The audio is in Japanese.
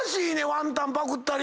ワンタンパクったり。